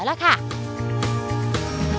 สวัสดีครับสวัสดีครับสวัสดีครับสวัสดีครับสวัสดีครับ